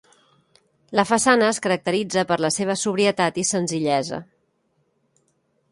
La façana es caracteritza per la seva sobrietat i senzillesa.